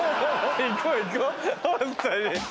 行こう行こうホントに。